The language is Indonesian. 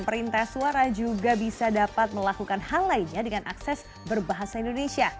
perintah suara juga bisa dapat melakukan hal lainnya dengan akses berbahasa indonesia